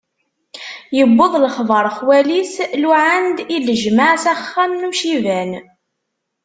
Yewweḍ lexbar xwal-is, luɛan-d i lejmaɛ s axxam n uciban.